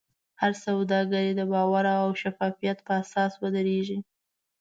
هره سوداګري د باور او شفافیت په اساس ودریږي.